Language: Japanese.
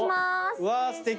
うわーすてき。